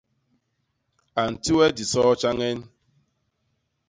A nti we disoo tjañen?